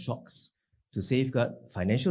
untuk menyelamatkan stabilitas finansial